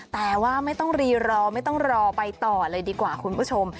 แต่ว่าไม่ต้องรีรอไม่ต้องรอไปต่อเลยดีกว่าคุณผู้ชม